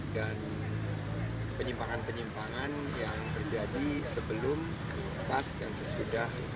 dan penyimpangan penyimpangan yang terjadi sebelum pas dan sesudah